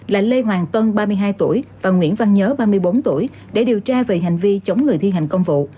là lê hoàng tuân ba mươi hai tuổi và nguyễn văn nhớ ba mươi bốn tuổi để điều tra về hành vi chống người thi hành công vụ